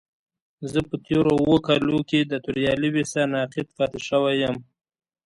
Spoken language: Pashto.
زه په تېرو اوو کالو کې د توريالي ويسا ناقد پاتې شوی يم.